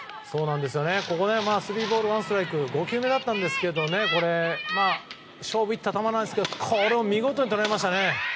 ここでスリーボールワンストライク５球目だったんですけど勝負いった球だったんですけどこれを見事に捉えましたね。